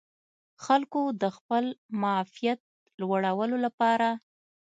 خلکو د خپل معافیت لوړولو لپاره